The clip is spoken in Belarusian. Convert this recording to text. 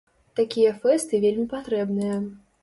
Такія фэсты вельмі патрэбныя.